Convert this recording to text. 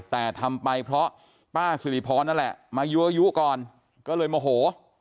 แต่ทำไปเพราะป้าสิริพรนั่นแหละมายั่วยุก่อนก็เลยโมโห